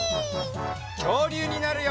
きょうりゅうになるよ！